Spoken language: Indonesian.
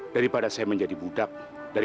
daripada saya menjadi budak dari